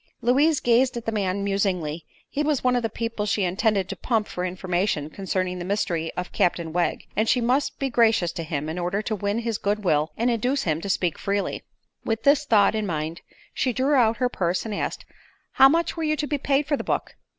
Louise gazed at the man musingly. He was one of the people she intended to pump for information concerning the mystery of Captain Wegg, and she must be gracious to him in order to win his good will and induce him to speak freely. With this thought in mind she drew out her purse and asked: "How much were you to be paid for the book?"